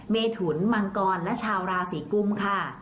เมถุนมังกรและชาวราศีกุมค่ะ